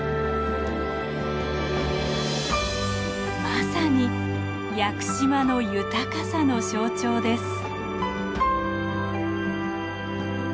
まさに屋久島の豊かさの象徴です。